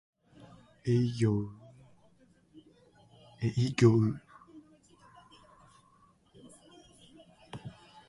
営業